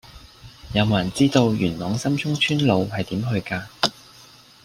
有無人知道元朗深涌村路係點去㗎